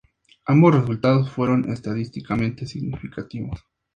Ambos resultados fueron estadísticamente significativos.